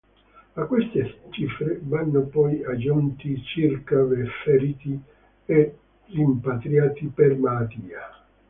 A queste cifre vanno poi aggiunti circa feriti e rimpatriati per malattia.